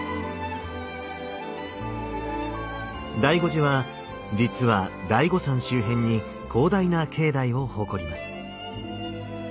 醍醐寺は実は醍醐山周辺に広大な境内を誇ります。